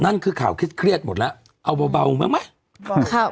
นั่นคือข่าวเครียดหมดแล้วเอาเบาไหม